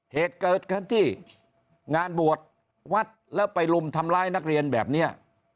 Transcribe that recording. เหตุเกิดขึ้นที่งานบวชวัดแล้วไปลุมทำร้ายนักเรียนแบบนี้